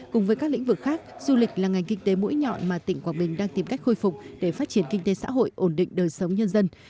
cùng với các lĩnh vực khác du lịch là ngành kinh tế mũi nhọn mà tỉnh quảng bình đang tìm cách khôi phục để phát triển kinh tế xã hội ổn định đời sống nhân dân